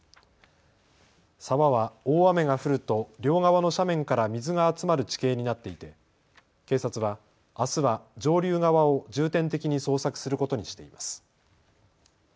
沢は大雨が降ると両側の斜面から水が集まる地形になっていて警察はあすは上流側を重点的に捜索することにしています。